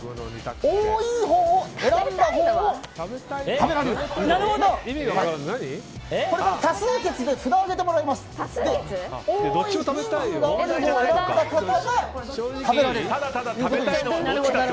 多いほうを選んだほうを食べられる。